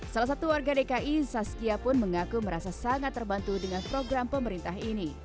salah satu warga dki zazkia pun mengaku merasa sangat terbantu dengan program pemerintah ini